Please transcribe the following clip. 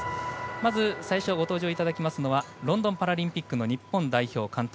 まず、最初にご登場いただきますのはロンドンパラリンピックの日本代表監督